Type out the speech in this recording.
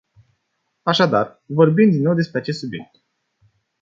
Așadar, vorbim din nou despre acest subiect.